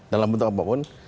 dalam bentuk apapun